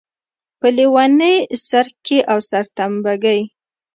په لېونۍ سرکښۍ او سرتمبه ګۍ.